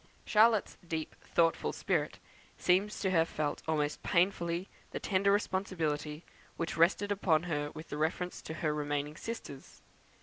Charlotte's deep thoughtful spirit appears to have felt almost painfully the tender responsibility which rested upon her with reference to her remaining sisters.